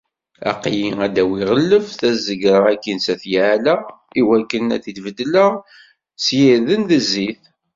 Aql-i ad awiɣ lleft, ad zegreɣ akkin s At Yaεla iwakken ad t-id-beddleɣ s yirden d zzit.